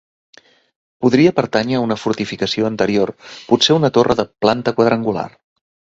Podria pertànyer a una fortificació anterior, potser una torre de planta quadrangular.